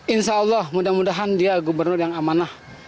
insya allah mudah mudahan dia gubernur yang amanah